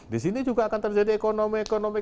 di sini juga akan terjadi ekonomi ekonomi